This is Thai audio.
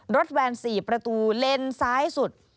รถแวนสี่ประตูเลนซ้ายสุด